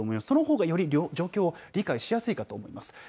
そのほうがより状況が理解しやすいかと思います。